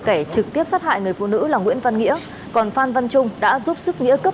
kẻ trực tiếp sát hại người phụ nữ là nguyễn văn nghĩa còn phan văn trung đã giúp sức nghĩa cấp